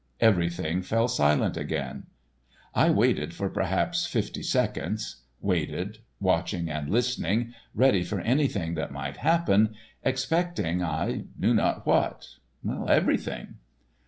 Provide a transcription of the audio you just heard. Everything fell silent again. I waited for perhaps fifty seconds—waited, watching and listening, ready for anything that might happen, expecting I knew not what—everything.